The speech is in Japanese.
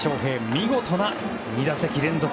見事な２打席連続